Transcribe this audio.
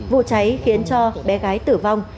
vụ cháy khiến cho bé gái tử vong